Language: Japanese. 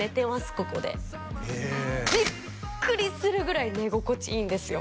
ここでへえビックリするぐらい寝心地いいんですよ